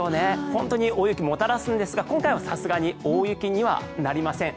本当に大雪をもたらすんですが今回はさすがに大雪にはなりません。